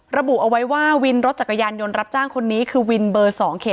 ระบุเอาไว้ว่าวินรถจักรยานยนต์รับจ้างคนนี้คือ